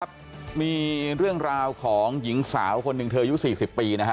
ครับมีเรื่องราวของหญิงสาวคนหนึ่งเธออายุ๔๐ปีนะฮะ